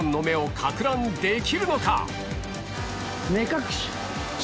目隠し。